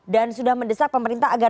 dan sudah mendesak pemerintah agar